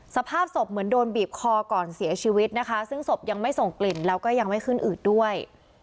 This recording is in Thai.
สภาพศพเหมือนโดนบีบคอก่อนเสียชีวิตนะคะซึ่งศพยังไม่ส่งกลิ่นแล้วก็ยังไม่ขึ้นอืดด้วย